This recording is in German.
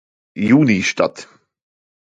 Juni statt.